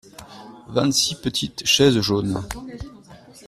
Vingt-six petites chaises jaunes.